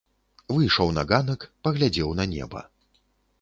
Выйшаў на ганак, паглядзеў на неба.